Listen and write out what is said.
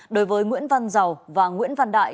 đối với nguyễn văn giàu và nguyễn văn đại